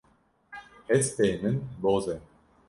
Hespê min boz e.